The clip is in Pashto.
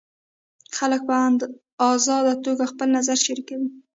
خلک په ازاده توګه خپل نظر شریکوي.